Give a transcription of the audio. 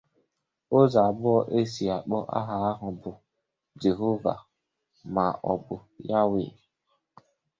Ụzọ abụọ e si akpọ aha ahụ bụ "Jehovah maọbụ Yahweh".